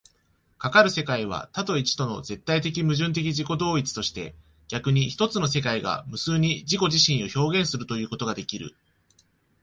かかる世界は多と一との絶対矛盾的自己同一として、逆に一つの世界が無数に自己自身を表現するということができる。